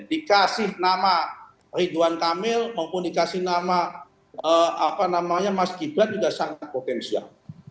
dikasih nama ridwan kamil maupun dikasih nama mas gibran sudah sangat potensial